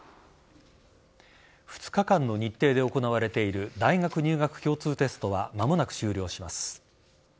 ２日間の日程で行われている大学入学共通テストは間もなく終了します。